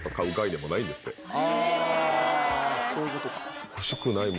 あそういうことか。